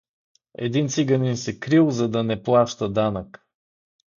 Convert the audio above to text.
Един циганин се крил, за да не плаща данък.